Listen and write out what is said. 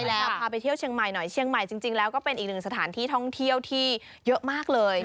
แล้วพาไปเที่ยวเชียงใหม่หน่อยเชียงใหม่จริงแล้วก็เป็นอีกหนึ่งสถานที่ท่องเที่ยวที่เยอะมากเลย